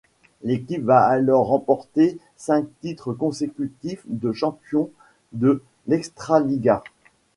L'équipe va alors remporter cinq titres consécutifs de champion de l'Extraliga.